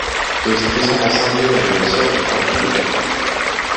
De descendance indienne, elle est la sœur d'une fratrie de quatre enfants.